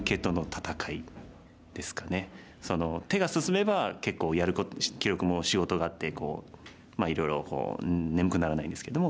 手が進めば結構記録も仕事があっていろいろ眠くならないんですけども。